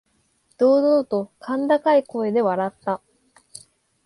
堂々と甲高い声で笑った。